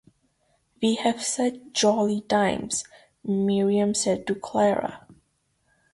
“We have such jolly times,” Miriam said to Clara.